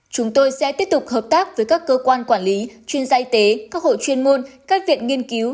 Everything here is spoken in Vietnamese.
chúng tôi sẽ tiếp tục hợp tác với các cơ quan quản lý chuyên gia y tế các hội chuyên môn các viện nghiên cứu